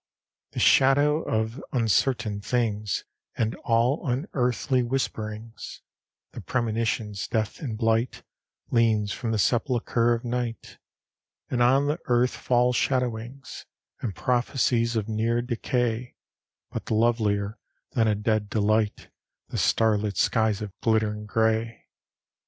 LIV The shadow of uncertain things And all unearthly whisperings, That premonitions death and blight, Leans from the sepulchre of night; And on the Earth fall shadowings; And prophecies of near decay; But, lovelier than a dead delight, The starlit skies of glittering gray.